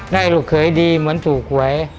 ได้ลูกเคยดีเหมือนถูกไว้